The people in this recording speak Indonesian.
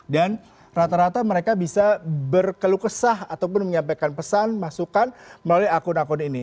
dan rata rata mereka bisa berkeluh kesah ataupun menyampaikan pesan masukan melalui akun akun ini